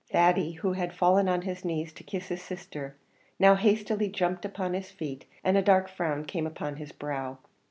Thady, who had fallen on his knees to kiss his sister, now hastily jumped upon his feet, and a dark frown came upon his brow.